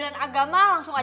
ya kalau ada nuevas beloved me